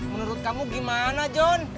menurut kamu gimana john